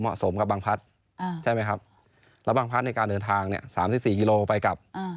เหมาะสมกับบางพัฒน์ใช่ไหมครับแล้วบางพัฒน์ในการเดินทาง๓๔กิโลไปกลับ